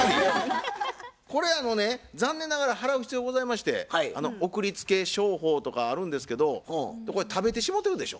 これ残念ながら払う必要ございまして送り付け商法とかあるんですけど食べてしもうてるでしょ？